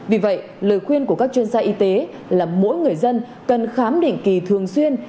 vì vậy lời khuyên của các chuyên gia y tế là mỗi người dân cần khám định kỳ thường xuyên